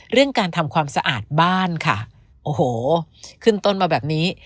เรื่องการทำความสะอาดบ้านค่ะโอ้โหขึ้นต้นมาแบบนี้